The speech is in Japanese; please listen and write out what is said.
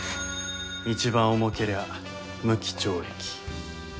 一番重けりゃ無期懲役。